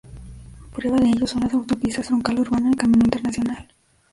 Prueba de ello son las autopistas Troncal Urbano y Camino Internacional.